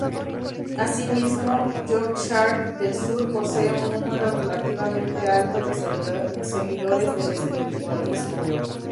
Asimismo, Yorkshire del Sur posee un número relativamente alto de seguidores del espiritualismo.